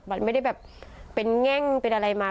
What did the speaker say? มันไม่ได้แบบเป็นแง่งเป็นอะไรมา